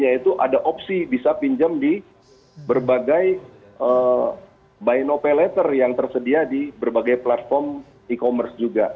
yaitu ada opsi bisa pinjam di berbagai by no pay letter yang tersedia di berbagai platform e commerce juga